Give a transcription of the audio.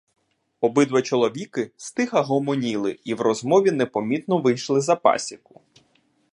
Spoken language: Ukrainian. Обидва чоловіки стиха гомоніли і в розмові непомітно вийшли за пасіку.